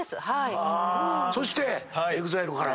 そしてＥＸＩＬＥから。